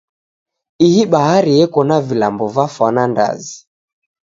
Ihi bahari yeko na vilambo va fwana ndazi.